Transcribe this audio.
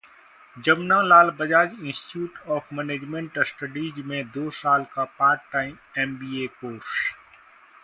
Jamnalal Bajaj institute of management studies में दो साल का पार्ट टाइम एमबीए कोर्स